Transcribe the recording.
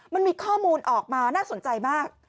มันมีข้อมูลออกมาน่าสนใจมาก